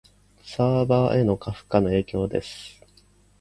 サーバへの過負荷の影響です